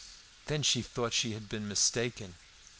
Then she thought she had been mistaken.